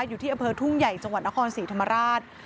อยู่ที่อำเภอทุ่งใหญ่จังหวัดนครศรีธรรมราช